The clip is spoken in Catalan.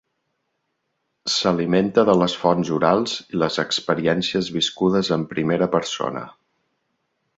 S'alimenta de les fonts orals i les experiències viscudes en primera persona.